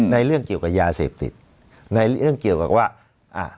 เรื่องเกี่ยวกับยาเสพติดในเรื่องเกี่ยวกับว่าอ่า